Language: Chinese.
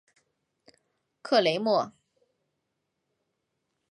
克雷莫。